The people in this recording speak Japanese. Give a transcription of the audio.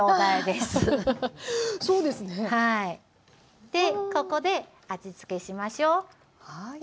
でここで味付けしましょう。